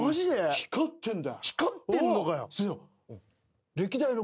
光ってんのかよ。